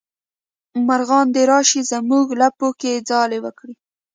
مارغان دې راشي زمونږ لپو کې ځالې وکړي